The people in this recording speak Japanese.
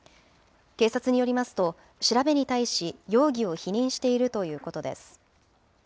警察によりますと、調べに対し、容疑を否認しているということです。